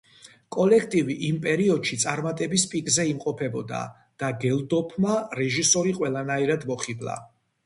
კოლექტივი იმ პერიოდში წარმატების პიკზე იმყოფებოდა და გელდოფმა რეჟისორი ყველანაირად მოხიბლა.